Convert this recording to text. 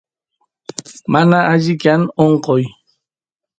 mana alli kan onqoy